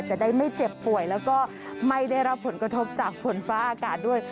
จะได้ไม่เจ็บป่วยแล้วก็ไม่ได้รับผลกระทบจากฝนฟ้าอากาศด้วย